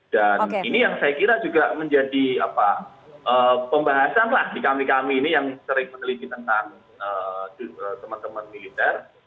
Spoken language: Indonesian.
dan ini yang saya kira juga menjadi pembahasan lah di kami kami ini yang sering meneliti tentang teman teman militer